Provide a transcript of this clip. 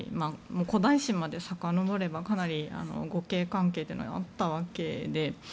古代史までさかのぼればかなり互恵関係というのはあったわけで。